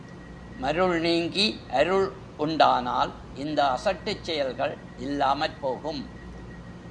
மருள் நீங்கி அருள் உண்டானால் இந்த அசட்டுச் செயல்கள் இல்லாமற் போகும்.